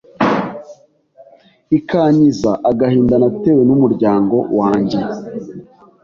ikankiza agahinda natewe n’umuryango wanjye